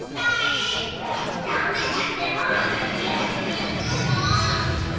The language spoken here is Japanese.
行くの！